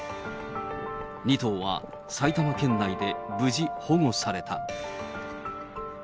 ２頭は埼玉県内で無事保護された。